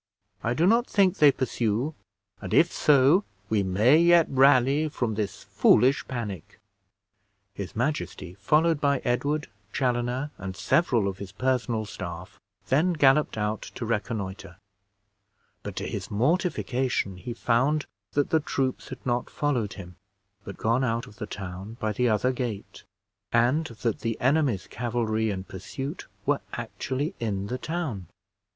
I do not think they pursue, and if so, we may yet rally from this foolish panic." His majesty, followed by Edward, Chaloner, and several of his personal staff, then galloped out to reconnoiter; but to his mortification he found that the troops had not followed him, but gone out of the town by the other gate, and that the enemy's cavalry in pursuit were actually in the town.